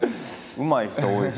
うまい人多いし。